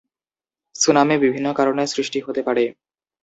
Tsunami বিভিন্ন কারণে সৃষ্টি হতে পারে।